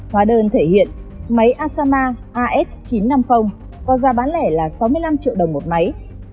hóa đơn thể hiện máy asama as chín trăm năm mươi có giá bán lẻ là sáu mươi năm triệu đồng một máy